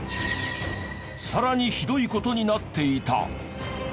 さらにひどい事になっていた。